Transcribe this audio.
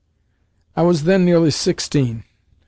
I was then nearly sixteen.